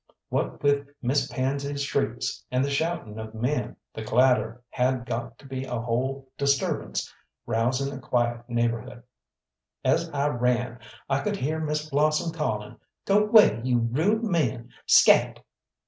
What with Miss Pansy's shrieks, and the shouting of men, the clatter had got to be a whole disturbance, rousing a quiet neighborhood. As I ran I could hear Miss Blossom calling, "Go 'way, you rude men! Scat!"